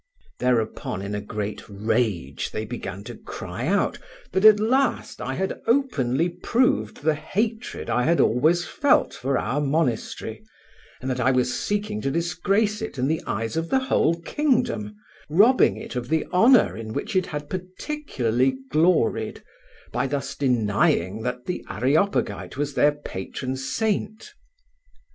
Thereupon in a great rage they began to cry out that at last I had openly proved the hatred I had always felt for our monastery, and that I was seeking to disgrace it in the eyes of the whole kingdom, robbing it of the honour in which it had particularly gloried, by thus denying that the Areopagite was their patron saint.